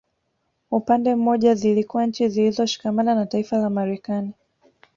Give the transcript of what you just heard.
Upande mmoja zilikuwa nchi zilizoshikama na taifa la Marekani